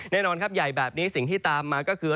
แน่นอนครับใหญ่แบบนี้สิ่งที่ตามมาก็คือ